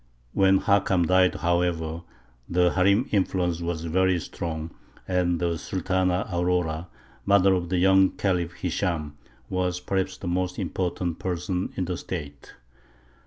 When Hakam died, however, the harīm influence was very strong, and the Sultana Aurora, mother of the young Khalif Hishām, was perhaps the most important person in the State.